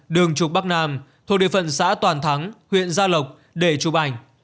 đường trục bắc nam thuộc địa phận xã toàn thắng huyện gia lộc để chụp ảnh